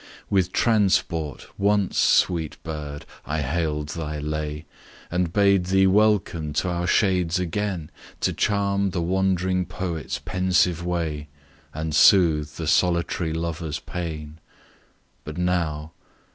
With transport, once, sweet bird! I hail'd thy lay, And bade thee welcome to our shades again, To charm the wandering poet's pensive way And soothe the solitary lover's pain; But now!